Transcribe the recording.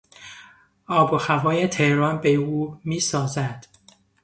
آب و هوای تهران به او میسازد.